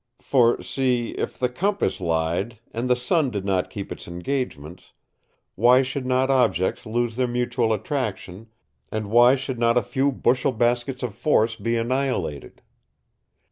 For see, if the compass lied and the sun did not keep its engagements, why should not objects lose their mutual attraction and why should not a few bushel baskets of force be annihilated?